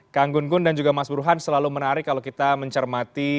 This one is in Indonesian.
kang gun gun dan juga mas burhan selalu menarik kalau kita mencermati